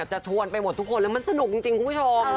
จะชวนไปหมดทุกคนเลยมันสนุกจริงคุณผู้ชม